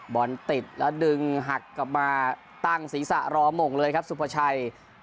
บอลติดแล้วดึงหักกลับมาตั้งศีรษะรอหม่งเลยครับสุภาชัย